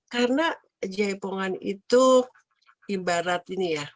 karena jaipongan itu ibarat ini ya